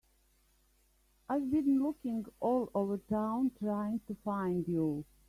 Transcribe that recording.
I've been looking all over town trying to find you.